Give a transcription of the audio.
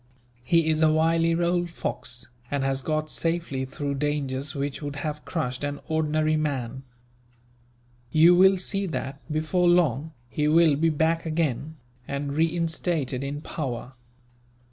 He is a wily old fox, and has got safely through dangers which would have crushed an ordinary man. You will see that, before long, he will be back again, and reinstated in power.